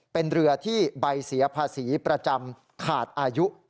เป็นเรือที่ใบเสียภาษีประจำขาดอายุ